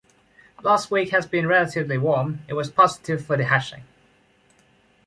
Last week had been relatively warm, it was positive for the hatching.